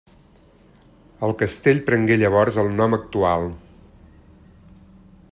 El castell prengué llavors el nom actual.